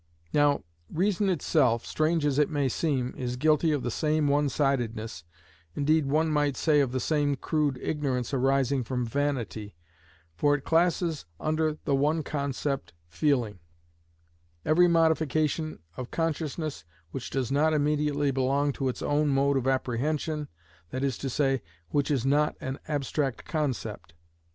Now, reason itself, strange as it may seem, is guilty of the same one sidedness, indeed one might say of the same crude ignorance arising from vanity, for it classes under the one concept, "feeling," every modification of consciousness which does not immediately belong to its own mode of apprehension, that is to say, which is not an abstract concept.